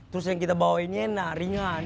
terus yang kita bawainnya ringan